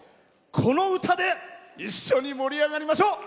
この歌で一緒に盛り上がりましょう！